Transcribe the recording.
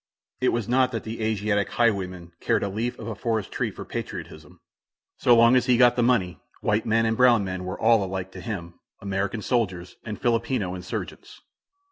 It was not that the Asiatic highwayman cared a leaf of a forest tree for patriotism. So long as he got the money, white men and brown men were all alike to him, American soldiers and Filipino insurgents.